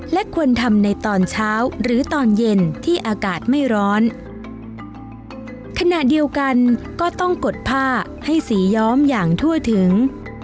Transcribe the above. และควรทำในตอนเช้าหรือตอนเย็นที่อากาศไม่ร้อนขณะเดียวกันก็ต้องกดผ้าให้สีย้อมอย่างทั่วถึง